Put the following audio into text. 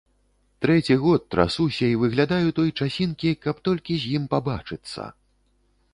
Трэці год трасуся і выглядаю той часінкі, каб толькі з ім пабачыцца.